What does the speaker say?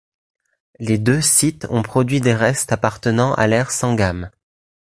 Les deux sites ont produit des restes appartenant à l'ère Sangam.